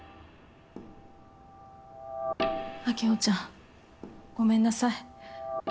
晶穂ちゃんごめんなさい。